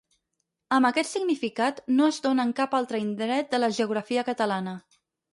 Amb aquest significat, no es dóna en cap altre indret de la geografia catalana.